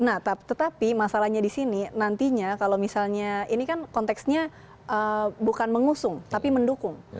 nah tetapi masalahnya di sini nantinya kalau misalnya ini kan konteksnya bukan mengusung tapi mendukung